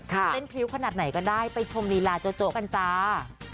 เต้นพิวขนาดไหนก็ได้ไปทมฤลาโจโจกันจ้า